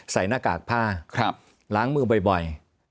หน้ากากผ้าล้างมือบ่อย